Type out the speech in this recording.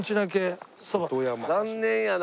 残念やな。